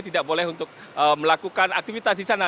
tidak boleh untuk melakukan aktivitas di sana